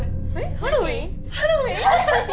ハロウィーン？